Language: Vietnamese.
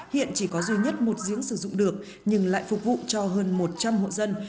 hiện chỉ có duy nhất một giếng sử dụng được nhưng lại phục vụ cho hơn một trăm linh hộ dân